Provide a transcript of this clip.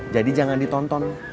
jadi jangan ditonton